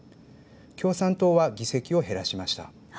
共産党は議席を減らしました。